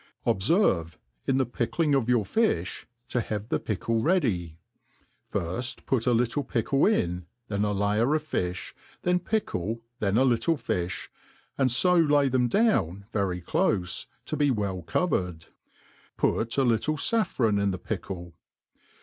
Obferve, in the picklins; of your fifli, to have the pickle ready ; iicft put a little pickle in, then a Fajrer of fiflb, then ptcWe, then a little fi(hj» and (o^ them down very clofe, to be well covered ; put a lirtlc fafFron in the pickle.